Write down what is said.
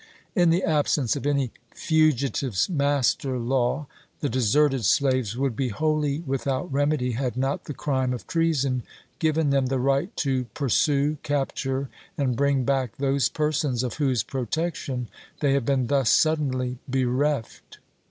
In the ab sence of any 'fugitive master law' the deserted slaves would be wholly without remedy had not the crime of treason given them the right to pur sue, capture, and bring back those persons of whose protection they have been thus suddenly be " oiobe." Jlllv 2 1862 reft."